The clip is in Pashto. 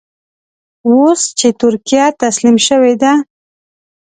اوس چې ترکیه تسليم شوې ده.